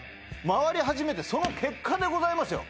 まわりはじめてその結果でございますよ